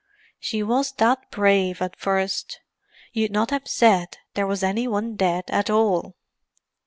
She was that brave at first, you'd not have said there was any one dead at all."